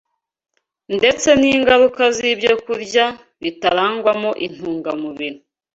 ndetse n’ingaruka z’ibyokurya bitarangwamo intungamubiri